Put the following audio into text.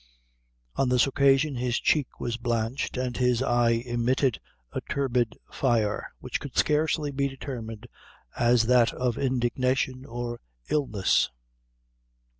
On this occasion his cheek was blanched and his eye emitted a turbid fire, which could scarcely be determined as that of indignation or illness.